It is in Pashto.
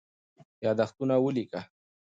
یادښتونه ولیکه.